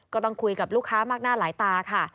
ก็ต้องคุยกับลูกค้ามากหน้าหลายตาค่ะ